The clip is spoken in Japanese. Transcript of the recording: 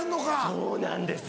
そうなんです！